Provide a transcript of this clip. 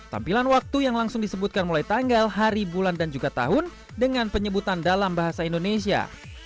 tampilan waktu yang langsung disebutkan mulai tanggal hari bulan dan juga tahun dengan penyebutan dalam bahasa indonesia